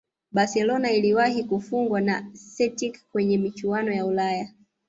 barcelona iliwahi kufungwa na celtic kwenye michuano ya ulaya